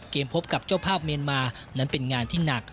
พบกับเจ้าภาพเมียนมานั้นเป็นงานที่หนัก